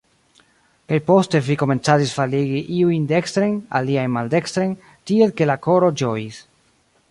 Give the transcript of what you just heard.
Kaj poste vi komencadis faligi iujn dekstren, aliajn maldekstren, tiel ke la koro ĝojis.